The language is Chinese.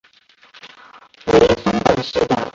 为松本市的。